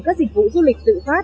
các dịch vụ du lịch tự phát